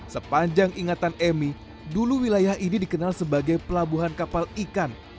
sepanjang ingatan emi dulu wilayah ini dikenal sebagai pelabuhan kapal ikan